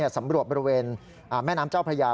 สำรวจบริเวณแม่น้ำเจ้าพระยา